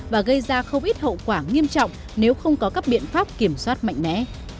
và gây ra không ít hậu quả nghiêm trọng nếu không có các biện pháp kiểm soát mạnh mẽ